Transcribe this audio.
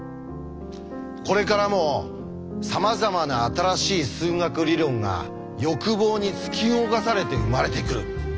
これからもさまざまな新しい数学理論が欲望に突き動かされて生まれてくる。